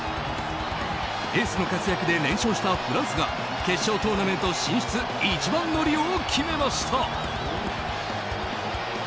エースの活躍で連勝したフランスが決勝トーナメント進出一番乗りを決めました。